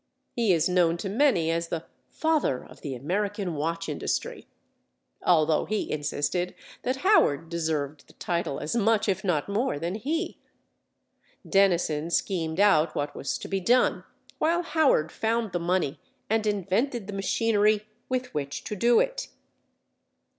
He is known to many as the "Father of the American Watch Industry," although he insisted that Howard deserved the title as much if not more than he. Dennison schemed out what was to be done, while Howard found the money and invented the machinery with which to do it.